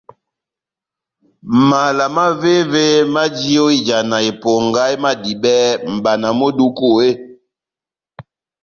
Mala mavéve maji ó ijana eponga emadibɛ mʼbana mú eduku eeeh ?